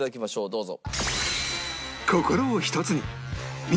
どうぞ。